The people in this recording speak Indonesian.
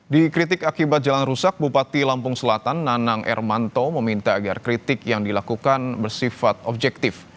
dikritik akibat jalan rusak bupati lampung selatan nanang ermanto meminta agar kritik yang dilakukan bersifat objektif